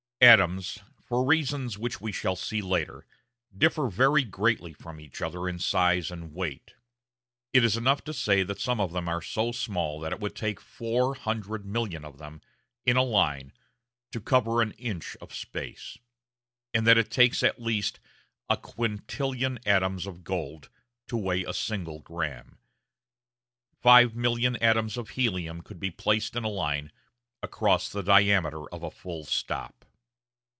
Atoms, for reasons which we shall see later, differ very greatly from each other in size and weight. It is enough to say that some of them are so small that it would take 400,000,000 of them, in a line, to cover an inch of space; and that it takes at least a quintillion atoms of gold to weigh a single gramme. Five million atoms of helium could be placed in a line across the diameter of a full stop.